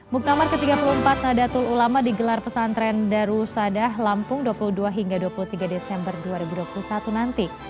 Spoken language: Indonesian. muktamar ke tiga puluh empat nadatul ulama digelar pesantren darussadah lampung dua puluh dua hingga dua puluh tiga desember dua ribu dua puluh satu nanti